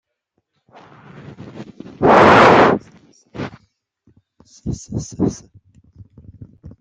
Quand la Première Guerre mondiale éclate, il se trouve dans le port de Valparaiso.